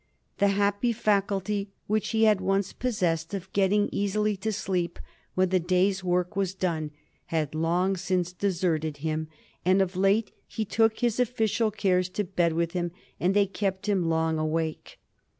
The happy faculty which he had once possessed of getting easily to sleep when the day's work was done had long since deserted him, and of late he took his official cares to bed with him, and they kept him long awake.